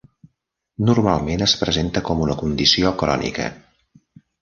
Normalment es presenta com una condició crònica.